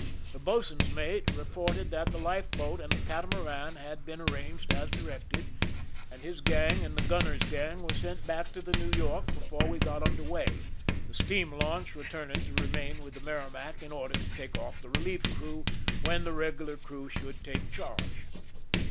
The boatswain's mate reported that the life boat and the catamaran had been ar ranged as dii ected, and his gang and the gunner's gang were se^it back to the New York before we got under way, the steam launch returning to remain with the Merrimac in order to take off the relief crew when tlie regular crew should take charge.